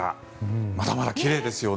まだまだ奇麗ですよね。